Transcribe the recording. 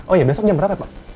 oh iya besok jam berapa ya pak